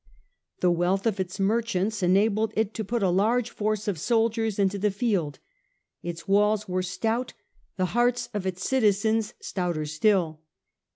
The wealth of its mer chants enabled it to put a large force of soldiers into the field. Its walls were stout, the hearts of its citizens stouter still.